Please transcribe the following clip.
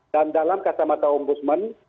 dan dalam kata mata om gusman